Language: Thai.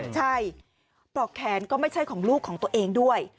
ใช่ปลอกแขนก็ไม่ใช่ของลูกของตัวเองด้วย